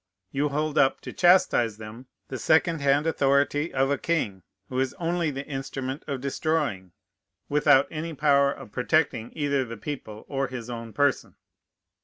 You hold up, to chastise them, the second hand authority of a king, who is only the instrument of destroying, without any power of protecting either the people or his own person.